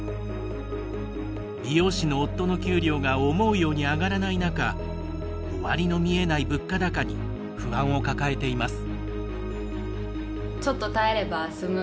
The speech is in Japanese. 美容師の夫の給料が思うように上がらない中終わりの見えない物価高に不安を抱えています。